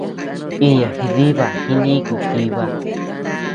Iña jidiba jinikuy jiba.